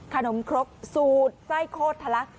ครกสูตรไส้โคตรทะลัก